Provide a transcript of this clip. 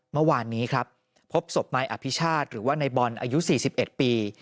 เมื่อวานนี้ครับพบศพนายอภิชาติหรือว่านายบอลอายุ๔๑ปี